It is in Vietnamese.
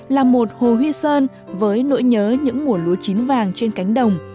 là một hồ huy sơn với nỗi nhớ những mùa lúa chín vàng trên cánh đồng